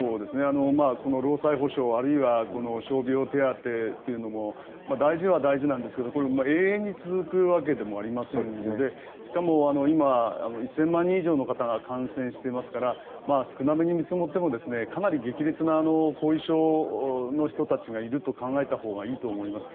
この労災補償あるいは傷病手当というのも大事は大事なんですが永遠に続くわけでもありませんのでしかも、今１０００万人以上の方が感染していますから少なめに見積もってもかなり激烈な後遺症の人たちがいると考えたほうがいいと思います。